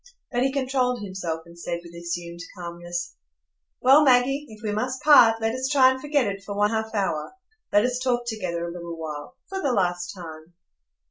But he controlled himself, and said, with assumed calmness: "Well, Maggie, if we must part, let us try and forget it for one half hour; let us talk together a little while, for the last time."